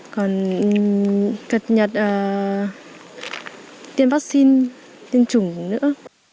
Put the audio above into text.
còn cập nhật tiêm vaccine tiêm chủng nữa